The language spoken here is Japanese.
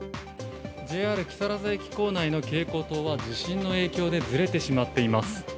ＪＲ木更津駅構内の蛍光灯は地震の影響でずれてしまっています。